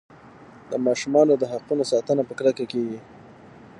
د ماشومانو د حقونو ساتنه په کلکه کیږي.